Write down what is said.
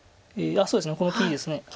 そうですね